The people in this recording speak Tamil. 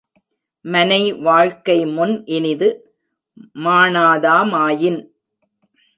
மனைவாழ்க்கை முன் இனிது மாணாதா மாயின்